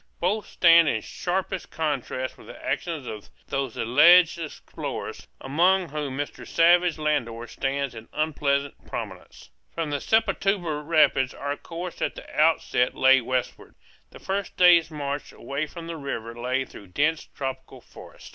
Both stand in sharpest contrast with the actions of those alleged explorers, among whom Mr. Savage Landor stands in unpleasant prominence. From the Sepotuba rapids our course at the outset lay westward. The first day's march away from the river lay through dense tropical forest.